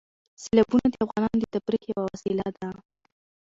سیلابونه د افغانانو د تفریح یوه وسیله ده.